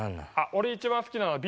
俺一番好きなのＢ